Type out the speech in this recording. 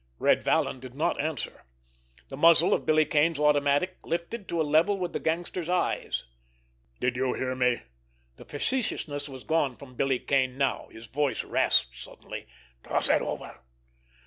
Red Vallon did not answer. The muzzle of Billy Kane's automatic lifted to a level with the gangster's eyes. "Did you hear me?" The facetiousness was gone from Billy Kane now. His voice rasped suddenly. "_Toss it over!